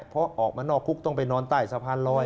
เพราะออกมานอกคุกต้องไปนอนใต้สะพานลอย